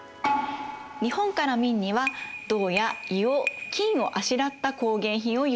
日本から明には銅や硫黄金をあしらった工芸品を輸出していました。